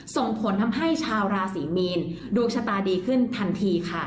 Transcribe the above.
ส่งผลทำให้ชาวราศีมีนดวงชะตาดีขึ้นทันทีค่ะ